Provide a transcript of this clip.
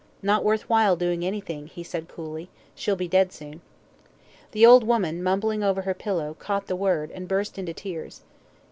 "Not worth while doing anything," he said coolly, "she'll be dead soon." The old woman, mumbling over her pillow, caught the word, and burst into tears.